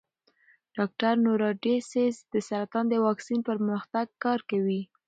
ډاکټر نورا ډسیس د سرطان د واکسین پر پرمختګ کار کوي.